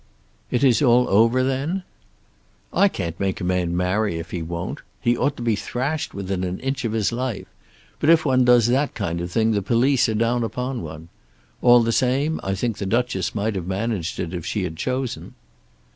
"It is all over, then?" "I can't make a man marry if he won't. He ought to be thrashed within an inch of his life. But if one does that kind of thing the police are down upon one. All the same, I think the Duchess might have managed it if she had chosen."